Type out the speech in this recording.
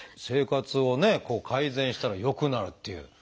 生活をね改善したら良くなるっていう。